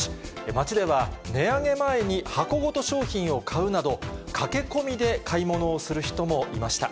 街では、値上げ前に箱ごと商品を買うなど、駆け込みで買い物をする人もいました。